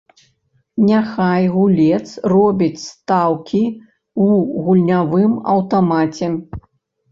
Няхай гулец робіць стаўкі ў гульнявым аўтамаце.